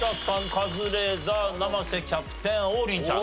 カズレーザー生瀬キャプテン王林ちゃん。